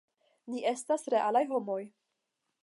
Ni estas realaj homoj.